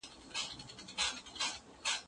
داسي خلک سته، چي کوژده يي کړې وي؛ خو بيکاره وي